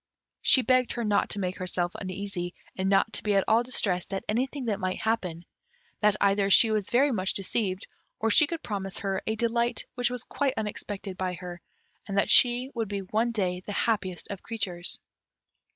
She begged her not to make herself uneasy, and not to be at all distressed at anything that might happen that either she was very much deceived, or she could promise her a delight which was quite unexpected by her, and that she would be one day the happiest of creatures.